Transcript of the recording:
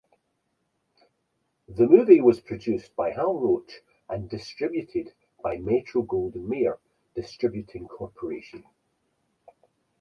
The movie was produced by Hal Roach and distributed by Metro-Goldwyn-Mayer Distributing Corporation.